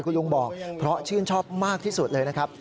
คุณลุงบอกเพราะชื่นชอบมากที่สุดเลยนะครับ